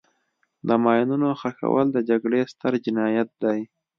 د ماینونو ښخول د جګړې ستر جنایت دی.